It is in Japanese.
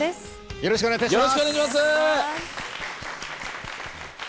よろしくお願いします！